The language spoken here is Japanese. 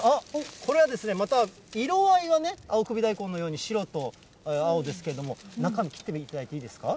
これはですね、また色合いがね、青首大根のように、白と青ですけれども、中身、切ってみていただいていいですか。